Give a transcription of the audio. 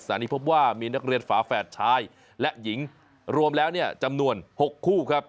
นี้พบว่ามีนักเรียนฝาแฝดชายและหญิงรวมแล้วเนี่ยจำนวน๖คู่ครับ